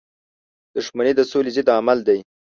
• دښمني د سولی ضد عمل دی.